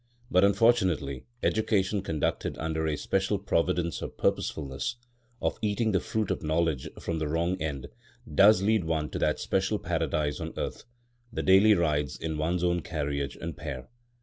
But unfortunately, education conducted under a special providence of purposefulness, of eating the fruit of knowledge from the wrong end, does lead one to that special paradise on earth, the daily rides in one's own carriage and pair.